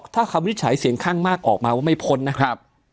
ถ้าคำวินิจฉัยเสียงข้างมากออกมาว่าไม่พ้นนะครับ